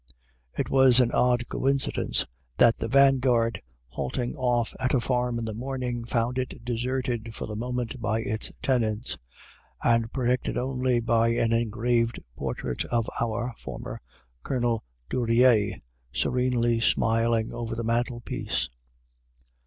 It was an odd coincidence, that the vanguard, halting off at a farm in the morning, found it deserted for the moment by its tenants, and protected only by an engraved portrait of our (former) Colonel Duryea, serenely smiling over the mantel piece.